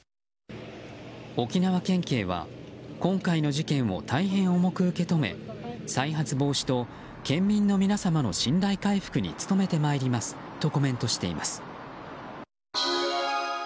沖縄県警は今回の事件を大変重く受け止め再発防止と県民の皆様の信頼回復に努めてまいりますとコメントしています。